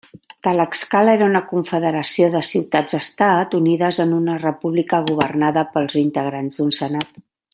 Tlaxcala era una confederació de ciutats-estat unides en una república governada pels integrants d'un senat.